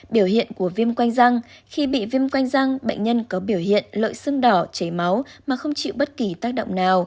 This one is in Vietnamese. biểu hiện của viêm quanh răng khi bị viêm quanh răng bệnh nhân có biểu hiện lợi sưng đỏ chảy máu mà không chịu bất kỳ tác động nào